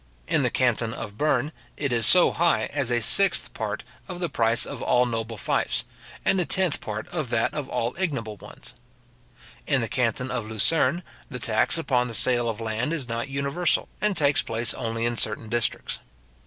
In the canton of Berne it is so high as a sixth part of the price of all noble fiefs, and a tenth part of that of all ignoble ones. {Memoires concernant les Droits, etc, tom.i p.154} In the canton of Lucern, the tax upon the sale of land is not universal, and takes place only in certain districts.